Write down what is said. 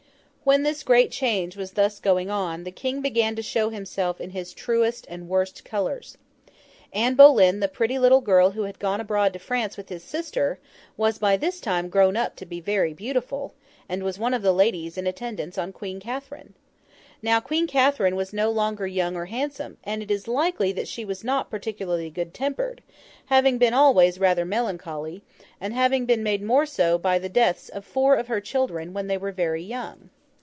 When this great change was thus going on, the King began to show himself in his truest and worst colours. Anne Boleyn, the pretty little girl who had gone abroad to France with his sister, was by this time grown up to be very beautiful, and was one of the ladies in attendance on Queen Catherine. Now, Queen Catherine was no longer young or handsome, and it is likely that she was not particularly good tempered; having been always rather melancholy, and having been made more so by the deaths of four of her children when they were very young.